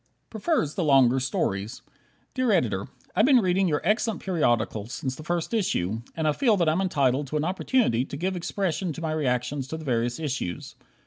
Prefers the Longer Stories Dear Editor: I've been reading your excellent periodical since the first issue, and I feel that I'm entitled to an opportunity to give expression to my reactions to the various issues.